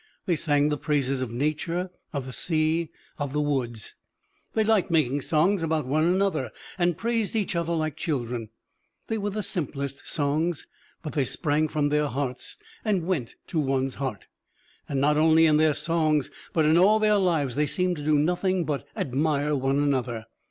They sang the praises of nature, of the sea, of the woods. They liked making songs about one another, and praised each other like children; they were the simplest songs, but they sprang from their hearts and went to one's heart. And not only in their songs but in all their lives they seemed to do nothing but admire one another.